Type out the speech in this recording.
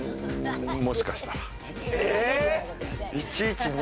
もしかしたら。